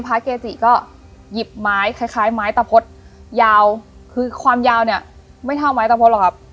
เกจิก็หยิบไม้คล้ายคล้ายไม้ตะพดยาวคือความยาวเนี่ยไม่เท่าไม้ตะพดหรอกครับ